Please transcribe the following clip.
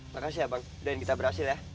makasih ya bang udahin kita berhasil ya